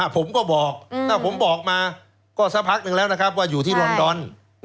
ผมก็บอกถ้าผมบอกมาก็สักพักหนึ่งแล้วนะครับว่าอยู่ที่ลอนดอน